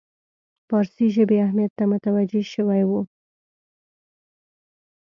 فارسي ژبې اهمیت ته متوجه شوی وو.